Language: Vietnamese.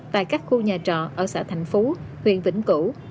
tại các khu nhà trọ ở xã thành phú huyện vĩnh cửu